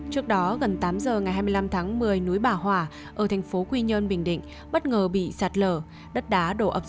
trước đó gần tám h ngày hai mươi năm tháng một mươi núi bà hỏa ở thành phố quy nhơn bình định bất ngờ bị sạt lở